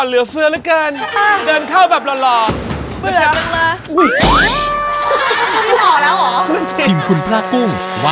ฮรูฮาราเชิญแม่งค่า